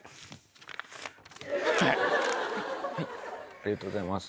ありがとうございます。